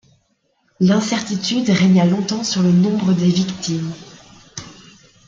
L'incertitude régna longtemps sur le nombre des victimes.